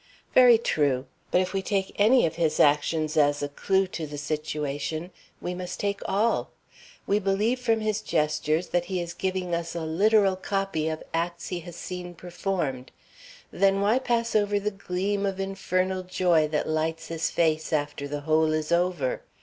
"Very true; but if we take any of his actions as a clew to the situation, we must take all. We believe from his gestures that he is giving us a literal copy of acts he has seen performed. Then, why pass over the gleam of infernal joy that lights his face after the whole is over?